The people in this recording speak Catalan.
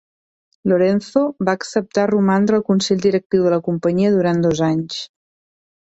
Lorenzo va acceptar romandre al Consell Directiu de la companyia durant dos anys.